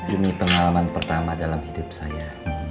ini pengalaman pertama dalam hidup saya